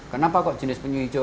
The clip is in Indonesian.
kenapa kok jenis penyu hijau